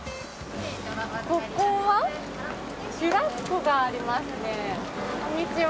ここは、シュラスコがありますね。